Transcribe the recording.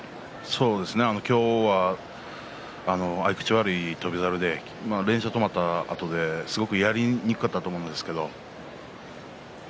今日は合い口悪い翔猿で連勝が止まったあとですごくやりにくかったと思うんですけれど。